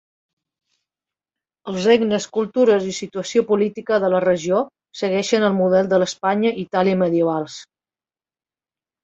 Els regnes, cultures i situació política de la regió segueixen el model de l'Espanya i Itàlia medievals.